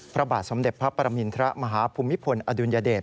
พระบาทสมเด็จพระปรมินทรมาฮภูมิพลอดุลยเดช